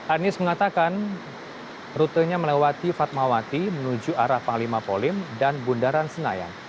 anies mengatakan rutenya melewati fatmawati menuju arah panglima polim dan bundaran senayan